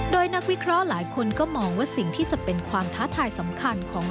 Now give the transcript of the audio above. โดยนักวิเคราะห์หลายคนก็มองว่าสิ่งที่จะเป็นความท้าทายสำคัญของ